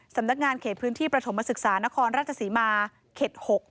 สำนักงานเขตพื้นที่ประถมศึกษานครราชศรีมาเขต๖